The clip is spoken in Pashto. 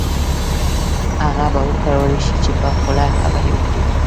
هغه به وکولای شي چې په خوله خبرې وکړي